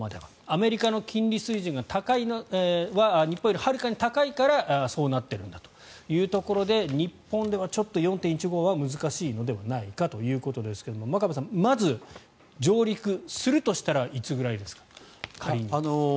アメリカの金利水準は日本よりはるかに高いからそうなっているんだというところで日本ではちょっと４．１５は難しいのではないかということですが真壁さん、まず上陸するとしたらいつぐらいですか？